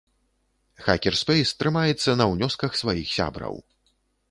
Хакерспэйс трымаецца на ўнёсках сваіх сябраў.